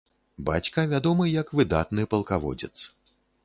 Бацька вядомы як выдатны палкаводзец.